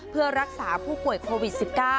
เพื่อรักษาผู้ป่วยโควิด๑๙